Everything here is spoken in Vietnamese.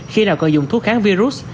khi nào cần dùng thuốc kháng virus